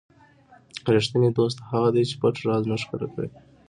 ریښتینی دوست هغه دی چې پټ راز نه ښکاره کړي.